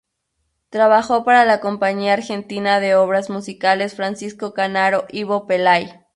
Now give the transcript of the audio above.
Trabajó para la Compañía Argentina de Obras Musicales Francisco Canaro-Ivo Pelay.